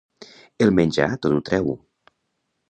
El menjar tot ho treu.